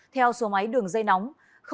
theo số máy đường dây nóng